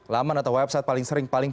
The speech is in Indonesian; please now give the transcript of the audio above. laman atau website paling sering paling